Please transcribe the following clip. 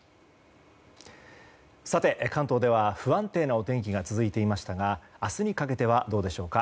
関東では不安定なお天気が続いていましたが明日にかけてはどうでしょうか。